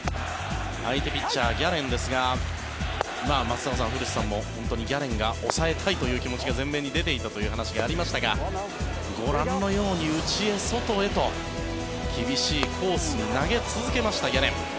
相手ピッチャー、ギャレンですが松坂さん、古田さんもギャレンが抑えたいという気持ちが前面に出ていたというお話がありましたがご覧のように内へ外へと厳しいコースに投げ続けましたギャレン。